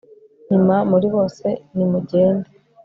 nyuma muri bose ni mujyende